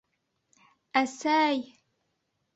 Әсә-әй!